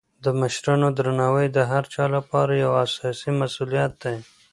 د مشرانو درناوی د هر چا لپاره یو اساسي مسولیت دی.